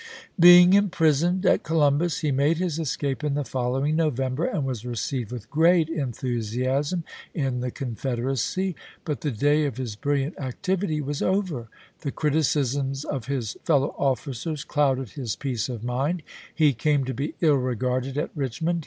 Being imprisoned at Columbus, he made his escape in the following November, and was received with great enthusiasm in the Con federacy. But the day of his brilliant activity was over ; the criticisms of his fellow officers clouded his peace of mind ; he came to be ill regarded at Eich mond.